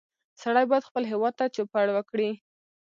سړی باید خپل هېواد ته چوپړ وکړي